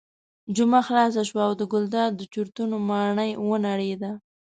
جمعه خلاصه شوه او د ګلداد د چورتونو ماڼۍ ونړېده.